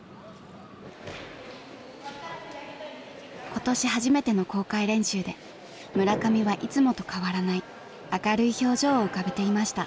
今年初めての公開練習で村上はいつもと変わらない明るい表情を浮かべていました。